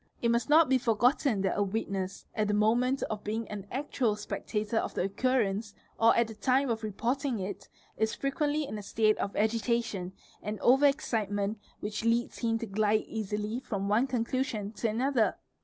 BY It must not be forgotten that a witness, at the moment. of being an actual spectator of the occurrence, or at the time of reporting it, : frequently 1 in a state of agitation and over excitement which leads him Bh Fb glide easily from one conclusion to another.